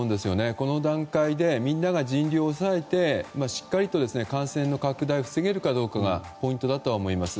この段階でみんなが人流を抑えてしっかりと感染の拡大を防げるかどうかがポイントだとは思います。